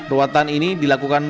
ruatan ini dilakukan melalui